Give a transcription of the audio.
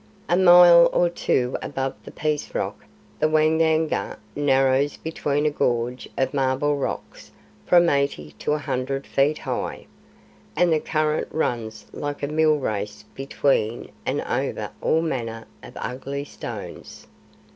A mile or two above the Peace Rock the Waingunga narrows between a gorge of marble rocks from eighty to a hundred feet high, and the current runs like a mill race between and over all manner of ugly stones.